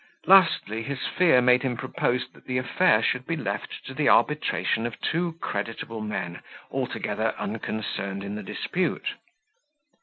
Lastly, his fear made him propose that the affair should be left to the arbitration of two creditable men, altogether unconcerned in the dispute.